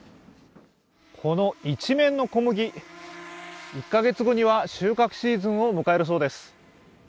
この一面の小麦１か月後には収穫シーズンを迎えるそうです